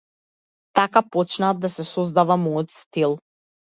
Така почна да се создава мојот стил.